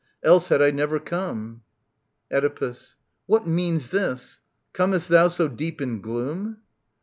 Else had I never come. Oedipus. What means this ? Comest thou so deep in gloom